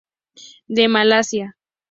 De Malasia.